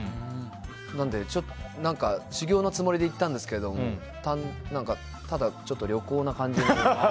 なので修行のつもりで行ったんですけどただ、ちょっと旅行な感じに。